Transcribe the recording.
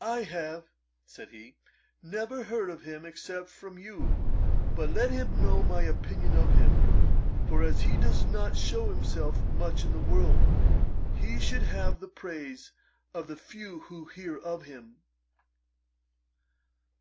'I have (said he) never heard of him except from you; but let him know my opinion of him: for as he does not shew himself much in the world, he should have the praise of the few who hear of him.'